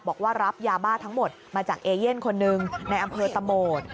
บอกว่ารับยาบ้าทั้งหมดมาจากเอเย่นคนหนึ่งในอำเภอตะโหมด